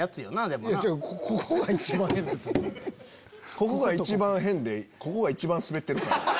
ここが一番変でここが一番スベってるから。